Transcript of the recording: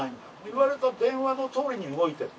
言われた電話のとおりに動いてる。